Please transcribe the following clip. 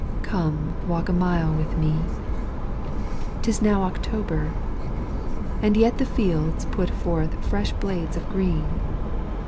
OCTOBER Come walk a mile with me 'Tis now October; And yet the fields put forth fresh blades of green.